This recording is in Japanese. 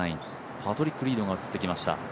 パトリック・リードが映ってきました。